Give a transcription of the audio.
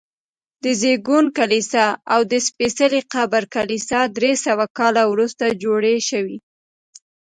د زېږون کلیسا او د سپېڅلي قبر کلیسا درې سوه کاله وروسته جوړې شوي.